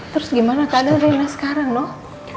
terus gimana keadaan rena sekarang noh